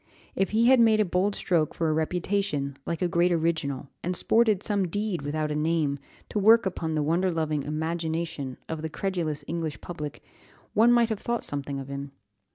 If he had made a bold stroke for a reputation, like a great original, and sported some deed without a name, to work upon the wonder loving imagination of the credulous English public, one might have thought something of him.